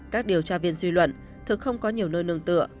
các điều tra viên dư luận thực không có nhiều nơi nương tựa